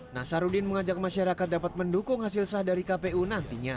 nasaruddin mengajak masyarakat dapat mendukung hasil sah dari kpu nantinya